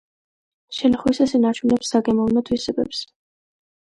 შენახვისას ინარჩუნებს საგემოვნო თვისებებს.